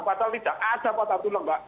padahal tidak ada patah tulang mbak